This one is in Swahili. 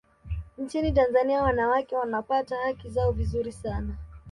nchini tanzania wanawake wanapata haki zao vizuri sana